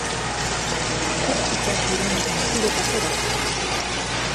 Toxikoak diren pinturetako batzuk.